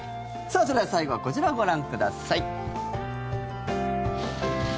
それでは最後はこちらをご覧ください。